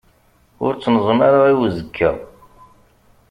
Ur ttneẓma ara i uzekka.